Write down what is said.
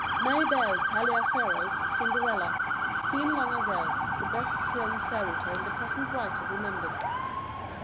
Mabel Taliaferro's Cinderella, seen long ago, is the best film fairy tale the present writer remembers.